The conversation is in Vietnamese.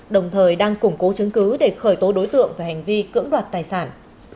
đồng thời đang củng cố chứng cứ để khởi tố đối tượng về hành vi cưỡng đoạt tài sản